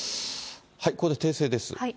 ここで訂正です。